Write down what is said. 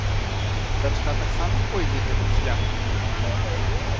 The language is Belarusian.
Дачка таксама пойдзе гэтым шляхам?